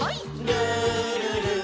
「るるる」